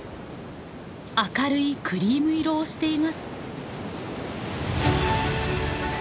明るいクリーム色をしています。